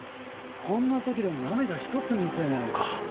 こんなときでも涙一つ見せねえのか。